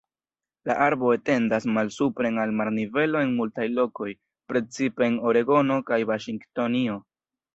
La arbo etendas malsupren al marnivelo en multaj lokoj, precipe en Oregono kaj Vaŝingtonio.